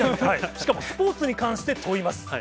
しかもスポーツに関して問イマス！